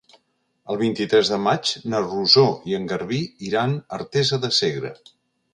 El vint-i-tres de maig na Rosó i en Garbí iran a Artesa de Segre.